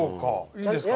いいんですか？